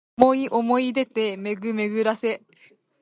想おもい出で巡めぐらせ